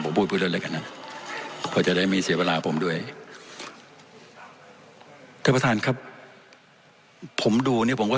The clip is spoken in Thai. ผมพูดอะไรกันนะพอจะได้มีเสียเวลาผมด้วยเธอประทานครับผมดูเนี่ยผมก็